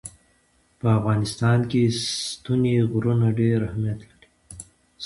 په افغانستان کې ستوني غرونه ډېر اهمیت لري.